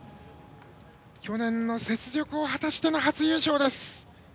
去年の雪辱を果たしての初優勝です。